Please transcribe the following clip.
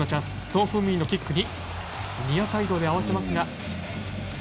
ソン・フンミンのキックにニアサイドで合わせますが。